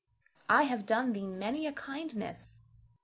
I have done thee many a kindness.